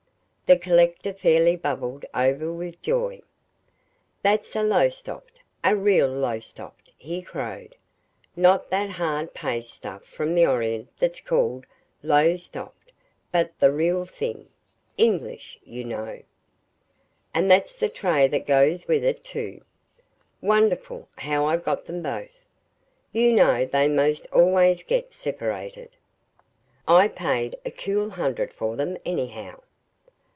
The collector fairly bubbled over with joy. "That's a Lowestoft a real Lowestoft!" he crowed. "Not that hard paste stuff from the Orient that's CALLED Lowestoft, but the real thing English, you know. And that's the tray that goes with it, too. Wonderful how I got them both! You know they 'most always get separated. I paid a cool hundred for them, anyhow."